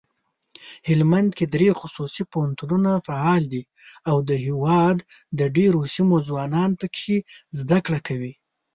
هلمندکې دري خصوصي پوهنتونونه فعال دي اودهیواد دډیروسیمو ځوانان پکښي زده کړه کوي.